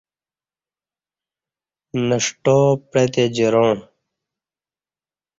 نݜٹاں پعتے جراݩع